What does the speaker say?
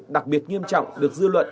đặc biệt nghiêm trọng được dư luận